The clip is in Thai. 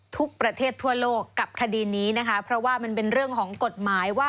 ทุกประเทศทั่วโลกกับคดีนี้นะคะเพราะว่ามันเป็นเรื่องของกฎหมายว่า